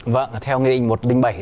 vâng theo nghị định một trăm linh bảy